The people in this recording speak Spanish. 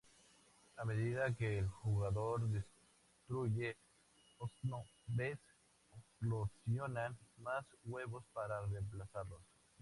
A medida que el jugador destruye Sno-Bees, eclosionan más huevos para reemplazarlos.